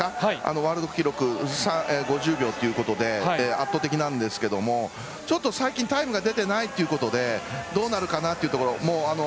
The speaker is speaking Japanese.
ワールド記録５０秒ということで圧倒的なんですけどちょっと最近タイムが出てないということでどうなるかなっていうところ。